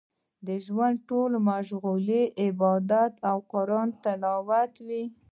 د ژوند ټوله مشغولا يې عبادت او د قران تلاوت و.